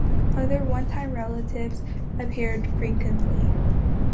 Other one-time relatives appear frequently.